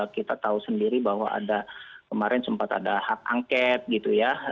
kita tahu sendiri bahwa kemarin sempat ada hak angket